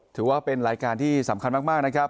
ถือว่าเป็นรายการที่สำคัญมากนะครับ